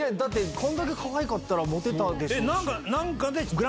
こんだけかわいかったらモテたでしょうし。